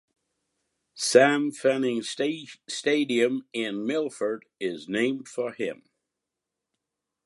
Sam Fanning stadium in Milford is named for him.